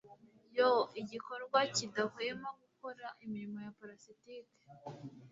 Yoo Igikorwa kidahwema gukora imirimo ya parasitike